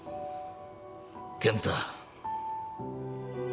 健太。